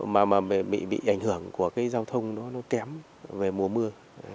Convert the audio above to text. mà bị ảnh hưởng của giao thông kém về mùa mưa